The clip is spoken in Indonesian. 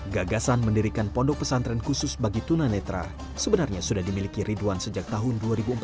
gagasan mendirikan pondok pesantren khusus bagi tunanetra sebenarnya sudah dimiliki ridwan sejak tahun dua ribu empat belas